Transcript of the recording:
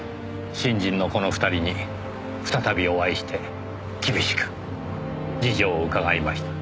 新人のこの２人に再びお会いして厳しく事情を伺いました。